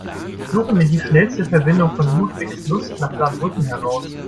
Suche mir die schnellste Verbindung von Ludwigslust nach Saarbrücken heraus.